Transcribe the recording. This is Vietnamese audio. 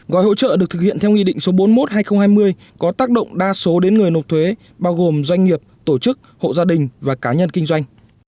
gói hỗ trợ được thực hiện theo nghị định số bốn mươi một hai nghìn hai mươi có tác động đa số đến người nộp thuế bao gồm doanh nghiệp tổ chức hộ gia đình và cá nhân kinh doanh